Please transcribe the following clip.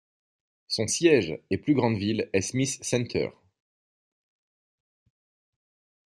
Son siège, et plus grande ville, est Smith Center.